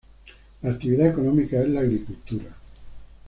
La actividad económica es la agricultura.